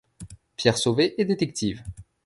Pierre Sauvé est détective.